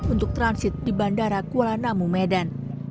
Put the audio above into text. untuk transit di bandara kuala namu medan